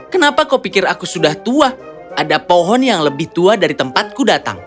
kenapa kau pikir aku sudah tua ada pohon yang lebih tua dari tempatku datang